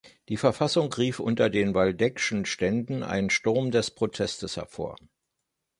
Die Verfassung rief unter den Waldeckschen Ständen einen Sturm des Protestes hervor.